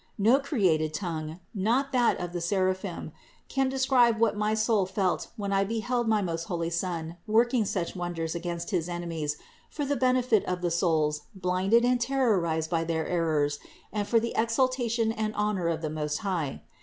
No created tongue, not that of the sera phim, can describe what my soul felt when I beheld my most holy Son working such wonders against his enemies for the benefit of the souls blinded and terrorized by their errors and for the exaltation and honor of the Most High.